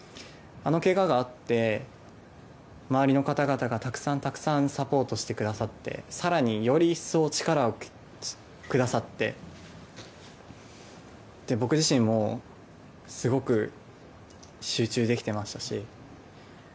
あのけががあって周りのかたがたがたくさんたくさんサポートしてくださってさらにより一層、力をくださって僕自身もすごく集中できてましたし。